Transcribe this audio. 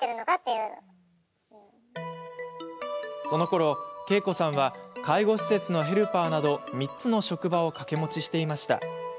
そのころ、ケイコさんは介護施設のヘルパーなど３つの職場を掛け持ちしていました。